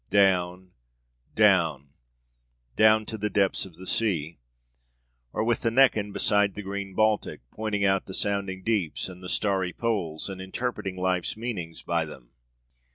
Down to the depths of the sea! or with the Neckan beside the green Baltic, pointing out the sounding deeps, and the starry poles, and interpreting life's meanings by them.